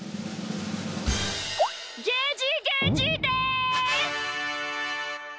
ゲジゲジです！